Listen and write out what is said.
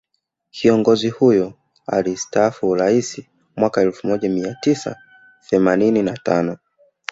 Kiongozi huyo alistaafu Uraisi mwaka elfu moja mia tisa themanini na tano